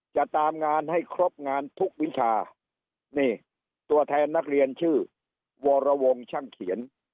จะตามงานให้ครบงานทุกวิชานี่ตัวแทนนักเรียนชื่อวรวงช่างเขียน